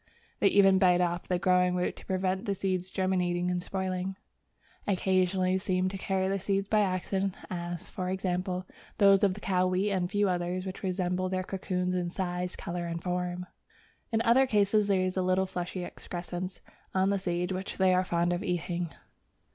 They even bite off the growing root to prevent the seeds germinating and spoiling. Occasionally they seem to carry the seeds by accident, as, for example, those of the cow wheat and a few others which resemble their cocoons in size, colour, and form. In other cases there is a little fleshy excrescence on the seed which they are fond of eating.